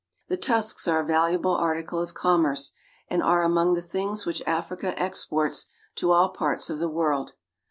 The tusks are a valuable article of commerce, and are among the things which Africa exports to all parts of the world.